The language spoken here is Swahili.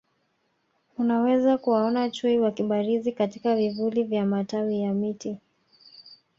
Unaweza kuwaona Chui wakibarizi katika vivuli vya matawi ya miti